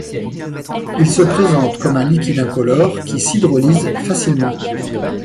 Il se présente comme un liquide incolore qui s'hydrolyse facilement.